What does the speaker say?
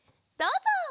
どうぞ！